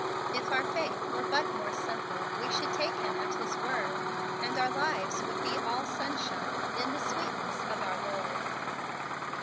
" If our faith were but more simple , We should take Him at His word , And our lives would be all sunshine In the sweetness of our Lord."